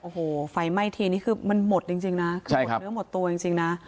โอ้โหไฟไหม้ทีนี้คือมันหมดจริงนะคือหมดเนื้อหมดตัวจริงนะ